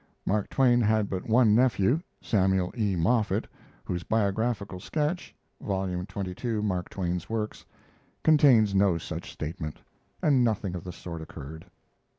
Mark Twain had but one nephew: Samuel E. Moffett, whose Biographical Sketch (vol. xxii, Mark Twain's Works) contains no such statement; and nothing of the sort occurred.